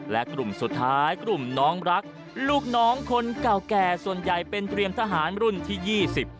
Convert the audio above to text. และกลุ่มสุดท้ายกลุ่มน้องรักลูกน้องคนเก่าแก่ส่วนใหญ่เป็นเตรียมทหารรุ่นที่ยี่สิบ